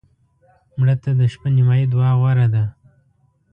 مړه ته د شپه نیمایي دعا غوره ده